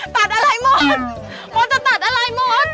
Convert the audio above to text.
ตัดอะไรหมดมดจะตัดอะไรหมด